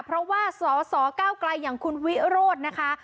เพราะว่าสสเก้าไกลอย่างคุณวิโรธนะคะ